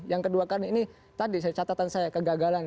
yang kedua kan ini tadi catatan saya kegagalan